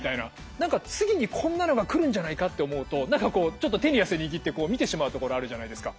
何か次にこんなのが来るんじゃないかって思うと何かちょっと手に汗握って見てしまうところあるじゃないですか。